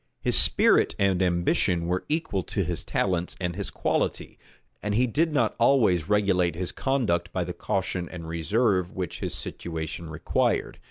His spirit and ambition were equal to his talents and his quality; and he did not always regulate his conduct by the caution and reserve which his situation required.